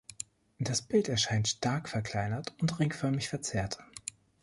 Das Bild erscheint stark verkleinert und ringförmig verzerrt.